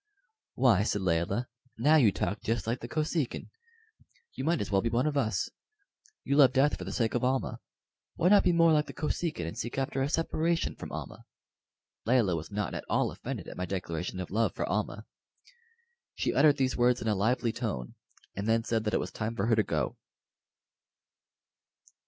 "Why," said Layelah, "now you talk just like the Kosekin. You might as well be one of us. You love death for the sake of Almah. Why not be more like the Kosekin, and seek after a separation from Almah?" Layelah was not at all offended at my declaration of love for Almah. She uttered these words in a lively tone, and then said that it was time for her to go.